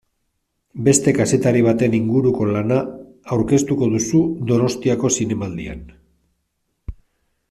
Beste kazetari baten inguruko lana aurkeztuko duzu Donostiako Zinemaldian.